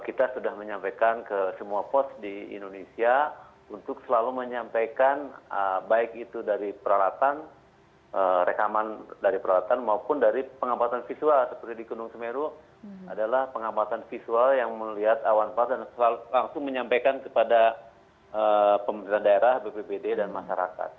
kita sudah menyampaikan ke semua pos di indonesia untuk selalu menyampaikan baik itu dari peralatan rekaman dari peralatan maupun dari pengamatan visual seperti di gunung sumeru adalah pengamatan visual yang melihat awan pas dan langsung menyampaikan kepada pemerintah daerah pvmbg dan masyarakat